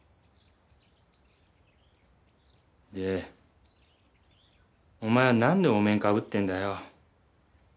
でお前はなんでお面かぶってんだよ。